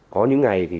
có những ngày thì